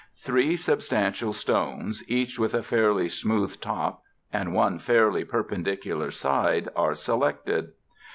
Three substantial stones, each with a fairly smooth top and one fairly perpendicular side are selected.